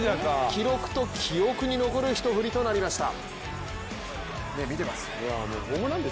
記録と記憶に残る一振りとなりました。